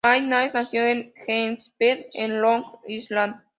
McNally Nació en Hempstead, en Long Island.